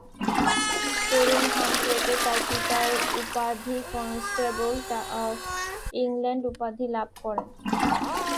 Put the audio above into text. তরুণ Humphrey তাঁর পিতার উপাধি 'কনস্টবল অব ইংল্যান্ড' লাভ করেন।